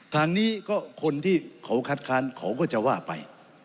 ทางนี้ก็คนที่เขาคัดค้านเขาก็จะว่าไป